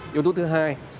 yếu tố thứ hai